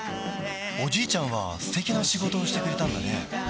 おじいちゃんは素敵な仕事をしてくれたんだね